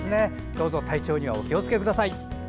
どうぞ体調にはお気をつけください。